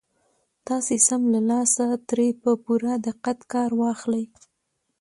تاسې سم له لاسه ترې په پوره دقت کار واخلئ.